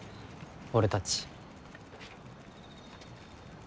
俺たち。